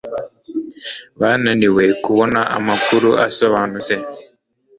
Bananiwe kubona amakuru asobanutse.